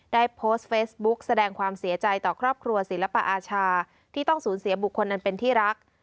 ได้โพสต์เฟซบุ๊กแสดงความเสียใจต่อครอบครัวศิลปอาชาที่ต้องสูญเสียบุคคลอันเป็นที่รัก